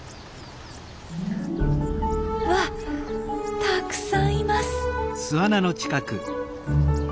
わったくさんいます！